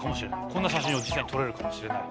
こんな写真を実際に撮れるかもしれない。